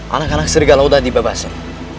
anak anak sergalo udah dibebasin